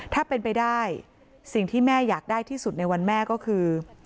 ถ้าเป็นไปได้สิ่งที่แม่อยากได้ที่สุดในวันแม่ก็คือ